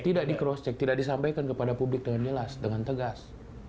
tidak di cross check tidak disampaikan kepada publik dengan jelas dengan tegas